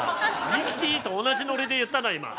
「ミキティ！」と同じノリで言ったな今。